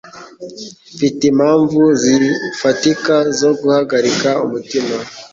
Mfite impamvu zifatika zo guhagarika umutima